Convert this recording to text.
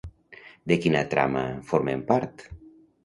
De quina trama formen part?